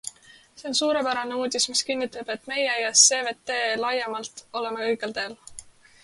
See on suurepärane uudis, mis kinnitab, et meie ja CVT laiemalt oleme õigel teel.